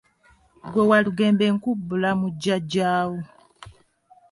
Ggwe Walugembe nkubbula mu jjajja wo.